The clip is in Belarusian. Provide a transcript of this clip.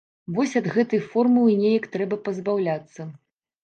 Вось ад гэтай формулы неяк трэба пазбаўляцца.